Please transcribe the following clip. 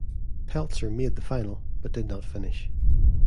Peltzer made the final, but did not finish.